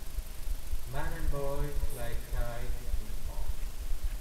Man and boy fly kite in park.